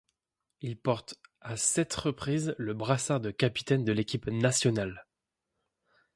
Il porte à sept reprises le brassard de capitaine de l'équipe nationale.